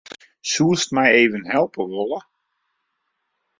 Soest my even helpe wolle?